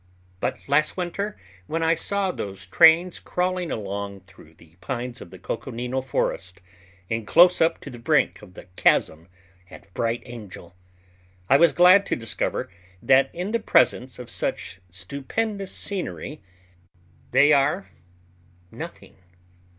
But last winter, when I saw those trains crawling along through the pines of the Coconino Forest and close up to the brink of the chasm at Bright Angel, I was glad to discover that in the presence of such stupendous scenery they are nothing.